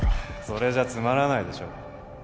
それじゃつまらないでしょ